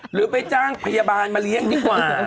หรือไปจ้างพยาบาลมาเลี้ยงดีกว่า